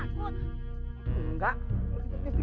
abang teku mahal